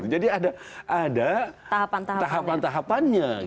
jadi ada tahapan tahapannya